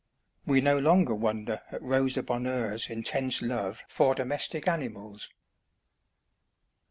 We no longer wonder at Rosa Bonheur's intense love for domestic animals.